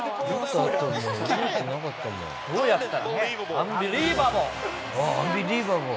アンビリーバボー！